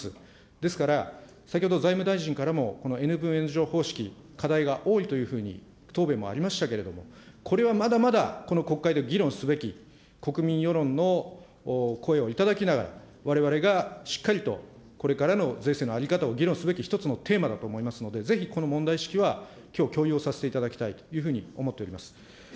ですから、先ほど、財務大臣からも、このＮ分Ｎ乗方式、課題が多いというふうに答弁もありましたけれども、これはまだまだこの国会で議論すべき国民世論の声を頂きながら、われわれがしっかりと、これからの税制の在り方を議論すべき一つのテーマだと思いますので、ぜひこの問題意識は、きょう、共有させていただきたいというふうに思っております。